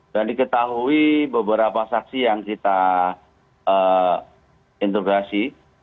dan diketahui beberapa saksi yang kita intubasi